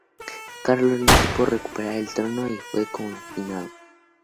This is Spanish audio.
Carlos no pudo recuperar el trono y fue confinado.